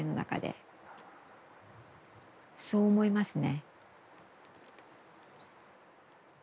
そう思いますね。